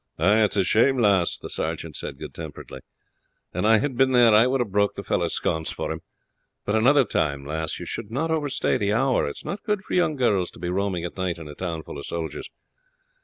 "It is a shame, lass," the sergeant said good temperedly; "an I had been there I would have broke the fellow's sconce for him; but another time, lass, you should not overstay the hour; it is not good for young girls to be roaming at night in a town full of soldiers.